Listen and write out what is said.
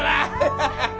ハハハハハ。